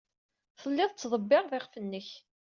Telliḍ tettḍebbireḍ iɣef-nnek.